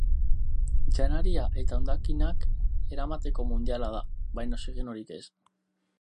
Janaria eta hondakinak eramateko mundiala da, baina oxigenorik ez.